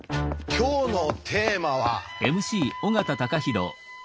今日のテーマは。